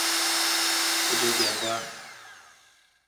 不久贬官。